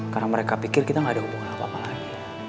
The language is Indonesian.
karena mereka pikir kita nggak ada hubungan apa apa lagi